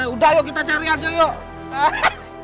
udah ayo kita cari aja yuk